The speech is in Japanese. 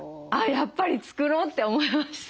やっぱり作ろうって思いました。